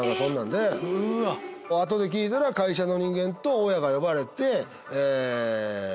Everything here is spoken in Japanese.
後で聞いたら会社の人間と親が呼ばれて。